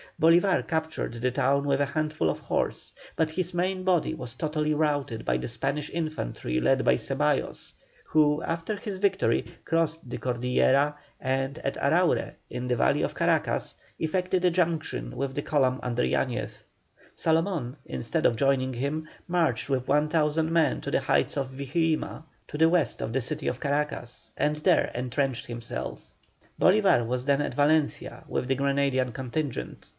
Bolívar captured the town with a handful of horse, but his main body was totally routed by the Spanish infantry led by Ceballos, who, after his victory, crossed the Cordillera, and at Araure, in the valley of Caracas, effected a junction with the column under Yañez. Salomón, instead of joining him, marched with 1,000 men to the heights of Vigirima, to the west of the city of Caracas, and there entrenched himself. Bolívar was then at Valencia with the Granadian contingent.